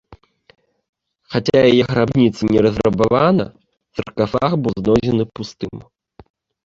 Хаця яе грабніца не разрабавана, саркафаг быў знойдзен пустым.